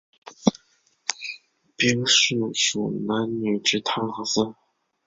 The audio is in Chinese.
兵事属南女直汤河司。